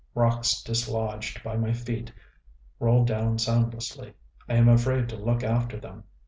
Rocks dislodged by my feet roll down soundlessly; I am afraid to look after them.